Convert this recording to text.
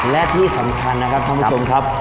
และที่สำคัญนะครับท่านผู้ชมครับ